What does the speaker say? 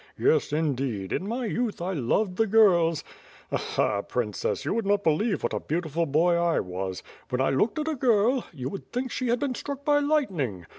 Yes, indeed! in my youth I loved the girls! Ha! ha! princess, you would not believe what a beau tiful boy I was! When I looked at a girl — ^you would think she had been struck by lightning!